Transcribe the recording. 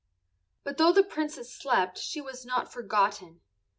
But though the Princess slept she was not forgotten.